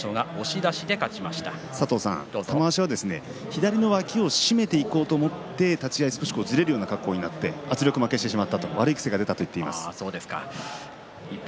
玉鷲は左の脇を締めていこうと思って立ち合い少しずれるような格好になって圧力負けしてしまった悪い癖が出たと言っています。